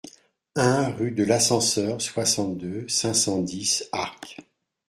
un rue de l'Ascenseur, soixante-deux, cinq cent dix, Arques